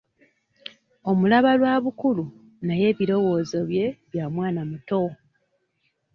Omulaba lwa bukulu naye ebirowoozo bye bya mwana muto.